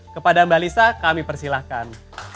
kepada mbak lisa kami persilahkan